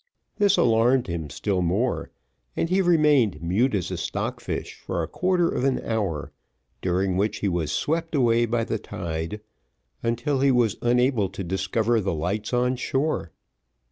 This alarmed him still more, and he remained mute as a stockfish for a quarter of an hour, during which he was swept away by the tide until he was unable to discover the lights on shore.